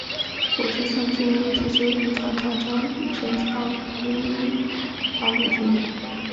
五十三军六九一团团长吕正操编入八路军。